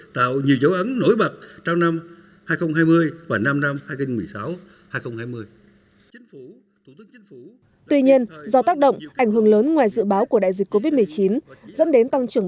tuy nhiên do tác động ảnh hưởng lớn ngoài dự báo của đại dịch covid một mươi chín dẫn đến tăng trưởng